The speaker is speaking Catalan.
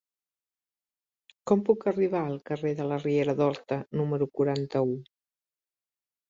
Com puc arribar al carrer de la Riera d'Horta número quaranta-u?